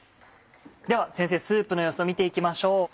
では先生スープの様子を見て行きましょう。